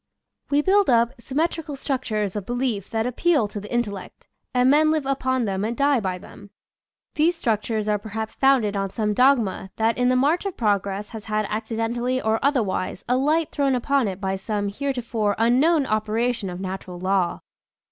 We build up symmetrical structures of be lief that appeal to the intellect, and men live upon them and die by them. These structures are perhaps founded on some dogma that in the march of progress has had accidentally or otherwise a light thrown upon it by some here tofore unknown operation of natural law.